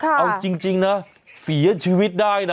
เอาจริงนะเสียชีวิตได้นะ